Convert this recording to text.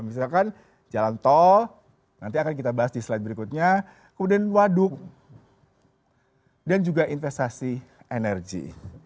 misalkan jalan tol nanti akan kita bahas di slide berikutnya kemudian waduk dan juga investasi energi